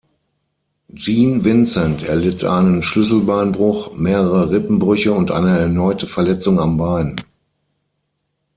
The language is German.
Gene Vincent erlitt einen Schlüsselbeinbruch, mehrere Rippenbrüche und eine erneute Verletzung am Bein.